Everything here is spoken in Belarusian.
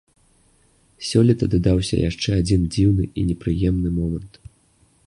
Сёлета дадаўся яшчэ адзін дзіўны і непрыемны момант.